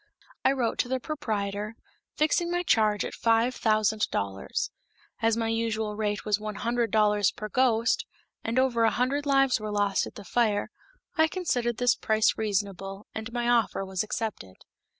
I wrote to the proprietor, fixing my charge at five thousand dollars. As my usual rate was one hundred dollars per ghost, and over a hundred lives were lost at the fire, I considered this price reasonable, and my offer was accepted.